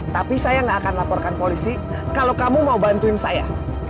tapi saya gak akan laporkan polisi kalau kamu mau bantuin saya